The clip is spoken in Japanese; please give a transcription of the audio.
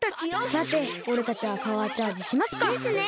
さておれたちはパワーチャージしますか。ですね！